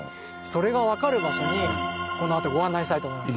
それが分かる場所にこのあとご案内したいと思います。